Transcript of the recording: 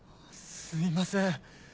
すいません。